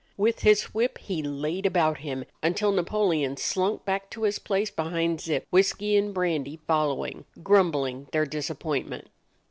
With his whip he laid about him, until Na poleon slunk back to his place behind Zip, Whisky and Brandy following, grumbling their disappointment.